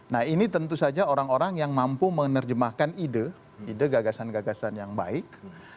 nah ini tentu saja orang orang yang mampu menerjemahkan ide ide gagasan gagasan yang baik